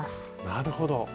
なるほど。